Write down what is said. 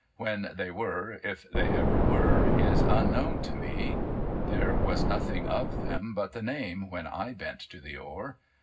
(When they were, if they ever were, is unknown to me ; there was nothing of them but the name when I bent to the oar.)